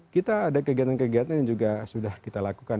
kita ada kegiatan kegiatan yang juga sudah kita lakukan